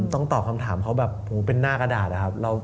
ต้องตอบคำถามเขาแบบเป็นหน้ากระดาษอะครับ